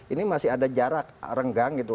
ini masih ada jarak renggang gitu